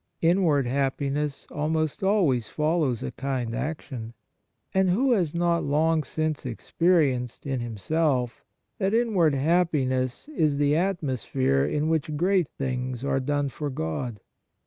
Inward happiness almost always follows a kind action ; and who has not long since experienced in himself that inward happiness is the atmo sphere in which great things are done for God